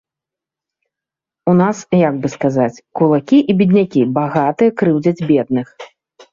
У нас, як бы сказаць, кулакі і беднякі, багатыя крыўдзяць бедных.